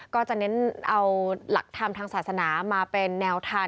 ก็จะเน้นเอาหลักธรรมทางศาสนามาเป็นแนวทาง